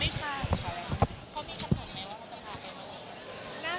ยังไม่ทราบ